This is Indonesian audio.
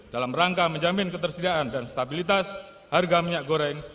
dalam rangka menjamin ketersediaan dan stabilitas harga minyak goreng